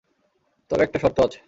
তবে একটা শর্ত আছে।